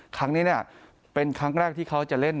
ครั้งนี้เป็นครั้งแรกที่เขาจะเล่น